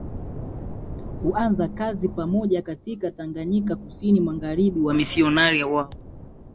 kuanza kazi pamoja katika Tanganyika KusiniMagharibi Wamisionari wao